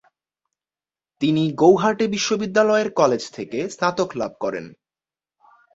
তিনি গৌহাটি বিশ্ববিদ্যালয়ের কলেজ থেকে স্নাতক লাভ করেন।